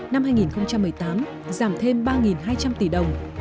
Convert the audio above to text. năm hai nghìn một mươi tám giảm thêm ba hai trăm linh tỷ đồng